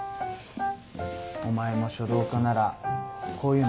お前も書道家ならこういうの得意だよな？